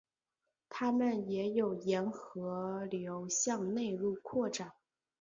它们也有沿河流向内陆扩展。